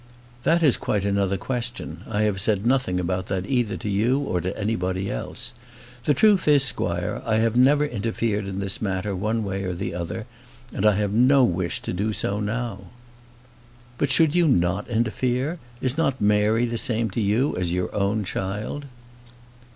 "That is quite another question. I have said nothing about that either to you or to anybody else. The truth is, squire, I have never interfered in this matter one way or the other; and I have no wish to do so now." "But should you not interfere? Is not Mary the same to you as your own child?"